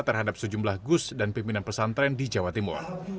terhadap sejumlah gus dan pimpinan pesantren di jawa timur